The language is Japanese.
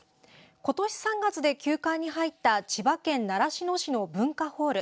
今年３月で休館に入った千葉県習志野市の文化ホール。